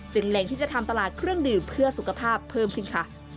เล็งที่จะทำตลาดเครื่องดื่มเพื่อสุขภาพเพิ่มขึ้นค่ะ